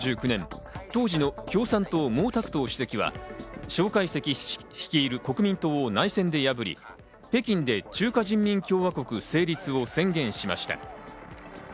１９４９年、当時の共産党・モウ・タクトウ主席はショウ・カイセキ氏率いる国民党を内戦で破り、北京で中華人民共和国成立を宣言しました。